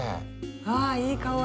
ああいい香り。